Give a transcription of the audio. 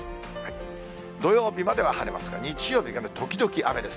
土曜日までは晴れますが、日曜日が時々雨です。